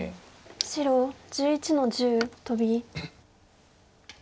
白１１の十トビ。